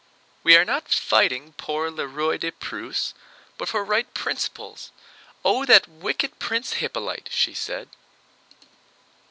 "We are not fighting pour le Roi de Prusse, but for right principles. Oh, that wicked Prince Hippolyte!" she said.